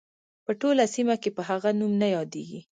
په ټوله سیمه کې په هغه نوم نه یادیږي.